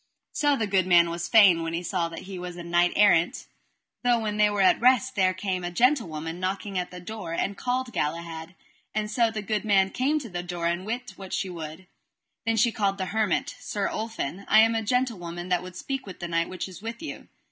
So the good man was fain when he saw he was a knight errant. Tho when they were at rest there came a gentlewoman knocking at the door, and called Galahad, and so the good man came to the door to wit what she would. Then she called the hermit: Sir Ulfin, I am a gentlewoman that would speak with the knight which is with you.